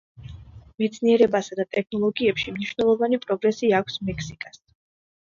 მეცნიერებასა და ტექნოლოგიებში მნიშვნელოვანი პროგრესი აქვს მექსიკას.